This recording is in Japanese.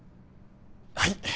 はい！